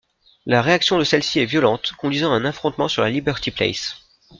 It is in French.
La réaction de celle-ci est violente, conduisant à un affrontement sur la Liberty Place.